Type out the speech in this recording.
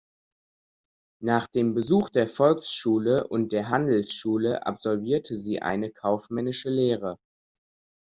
Nach dem Besuch der Volksschule und der Handelsschule absolvierte sie eine kaufmännische Lehre.